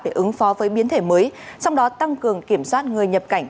để ứng phó với biến thể mới trong đó tăng cường kiểm soát người nhập cảnh